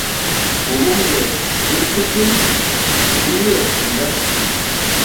Uw umiye okuiy ce śul, okuiye hun dan ce śul.